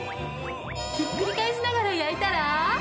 ひっくり返しながら焼いたら。